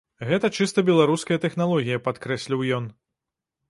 Гэта чыста беларуская тэхналогія, падкрэсліў ён.